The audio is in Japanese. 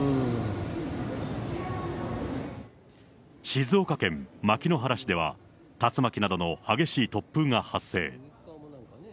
静岡県牧之原市では、竜巻などの激しい突風が発生。